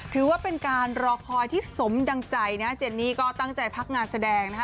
ถือว่าเป็นการรอคอยที่สมดังใจนะเจนนี่ก็ตั้งใจพักงานแสดงนะคะ